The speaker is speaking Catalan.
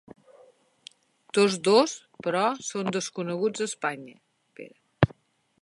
Tots dos, però, són desconeguts a Espanya.